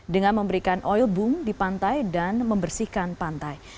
dengan memberikan oil boom di pantai dan membersihkan pantai